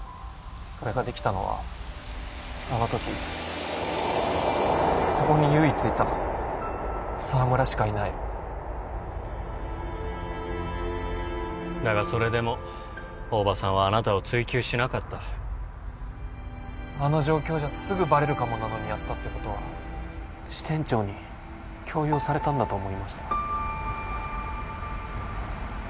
それができたのはあの時そこに唯一いた沢村しかいないだがそれでも大庭さんはあなたを追及しなかったあの状況じゃすぐバレるかもなのにやったってことは支店長に強要されたんだと思いました